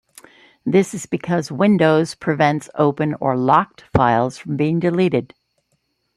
This is because windows prevents open or "locked" files from being deleted.